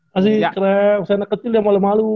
masih keren misalnya kecil dia malu malu